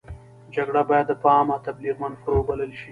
جګړه باید په عامه تبلیغ منفوره وبلل شي.